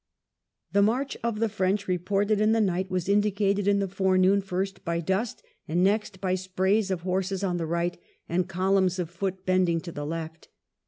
The march of the French, reported in the night, was indicated in the forenoon first by dust, and next by sprays of horse on the right and columns of foot bending to the left.